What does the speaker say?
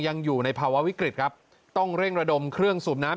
ยังอยู่ในภาวะวิกฤตครับต้องเร่งระดมเครื่องสูบน้ำ